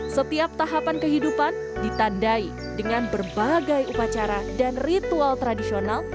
setiap tahapan kehidupan ditandai dengan berbagai upacara dan ritual tradisional